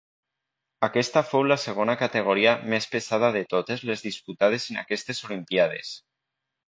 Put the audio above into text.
Aquesta fou la segona categoria més pesada de totes les disputades en aquestes olimpíades.